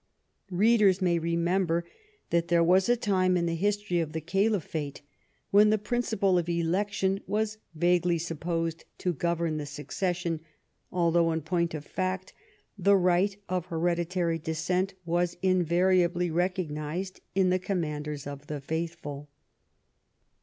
Readers may remember that there was a time in the history of the Caliphate when the principle of election was vaguely supposed to govern the succession, al though, in point of fact, the right of hereditary descent was invariably recognized in the commanders of the faithful.